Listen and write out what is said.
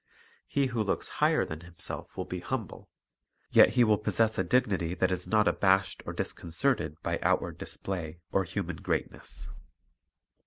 He who looks higher than himself will be humble; yet he will Humility possess a dignity that is not abashed or disconcerted by outward display or human greatness.